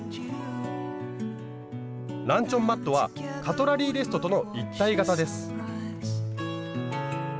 ランチョンマットはカトラリーレストとの一体型です。